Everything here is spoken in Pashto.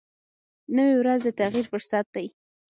نوې ورځ د تغیر فرصت دی